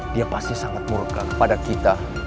dia pasti sangat murka kepada kita